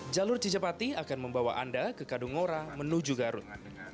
jalur cijapati akan membawa anda ke kadungora menuju garut